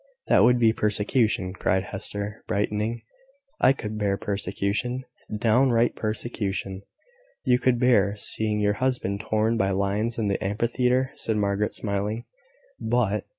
"That would be persecution," cried Hester, brightening. "I could bear persecution, downright persecution." "You could bear seeing your husband torn by lions in the amphitheatre," said Margaret, smiling, "but..."